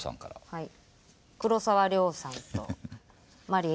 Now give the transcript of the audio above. はい。